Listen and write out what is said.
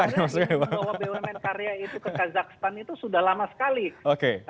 karena membawa bumn karya itu ke kazakhstan itu sudah lama sekali